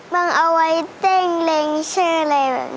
เอาไว้เต้งเล็งชื่ออะไรแบบนี้